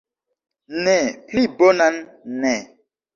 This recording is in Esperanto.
Ne, pli bonan ne!